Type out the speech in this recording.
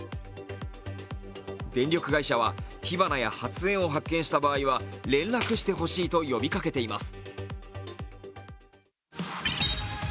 電力会社は火花や発煙を発見した場合は連絡してほしいと呼びかけています。